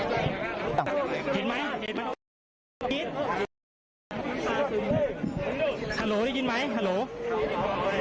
เห็นไหมเห็นไหมฮัลโหลได้ยินไหมฮัลโหล